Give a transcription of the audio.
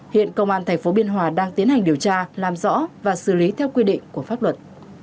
hiện công an tp biên hòa đang tiến hành điều tra làm rõ và xử lý theo quy định của pháp luật